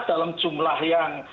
dalam jumlah yang